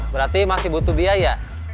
berarti masih butuh biaya